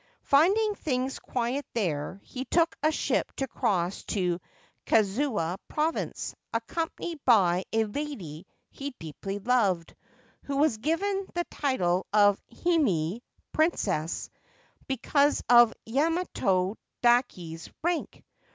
Finding things quiet there, he took a ship to cross to Kazusa Province, accompanied by a lady he deeply loved, who was given the title of Hime (Princess) because of Yamato dake's rank.